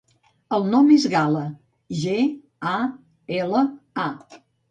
El nom és Gala: ge, a, ela, a.